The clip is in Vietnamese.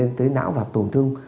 nên tới não và tổn thương